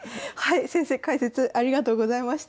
先生解説ありがとうございました。